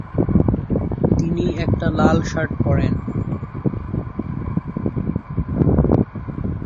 তিনি একটা লাল শার্ট পরেন।